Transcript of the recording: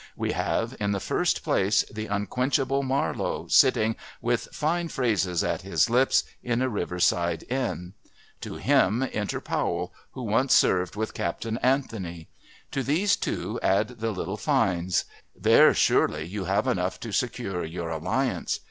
We have, in the first place, the unquenchable Marlowe sitting, with fine phrases at his lips, in a riverside inn. To him enter Powell, who once served with Captain Anthony; to these two add the little Fynes; there surely you have enough to secure your alliance.